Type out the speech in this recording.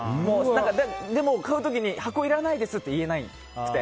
でも買う時に箱いらないですって言えなくて。